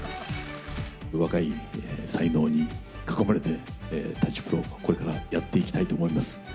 若い才能に囲まれて、舘プロ、これからやっていきたいと思います。